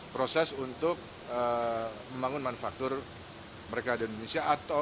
proses untuk membangun manufaktur mereka di indonesia